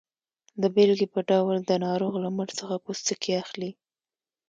د بیلګې په ډول د ناروغ له مټ څخه پوستکی اخلي.